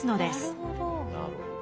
なるほど。